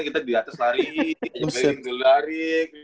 kita di atas lari